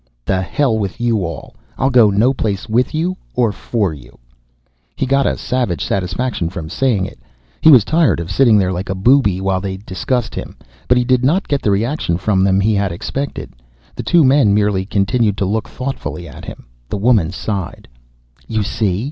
The hell with you all. I'll go no place with you or for you." He got a savage satisfaction from saying it, he was tired of sitting there like a booby while they discussed him, but he did not get the reaction from them he had expected. The two men merely continued to look thoughtfully at him. The woman sighed, "You see?